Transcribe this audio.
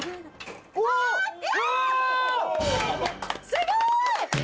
すごい！